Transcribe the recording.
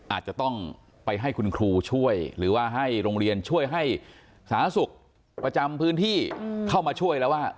อาจจะต้องไปให้คุณครูช่วยหรือว่าให้โรงเรียนช่วยให้สาธารณสุขประจำพื้นที่เข้ามาช่วยแล้วว่า